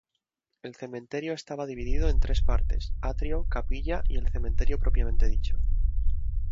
El Cementerio estaba dividido en tres partes: atrio, capilla y el cementerio propiamente dicho.